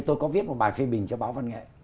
tôi có viết một bài phê bình cho báo văn nghệ